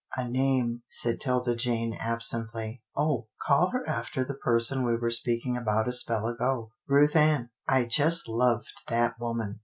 " A name," said 'Tilda Jane, absently. " Oh ! call her after the person we were speaking about a spell ago — Ruth Ann, I just loved that woman."